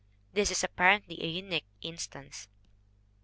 This is apparently a unique instance.